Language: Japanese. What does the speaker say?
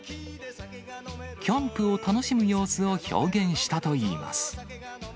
キャンプを楽しむ様子を表現したといいます。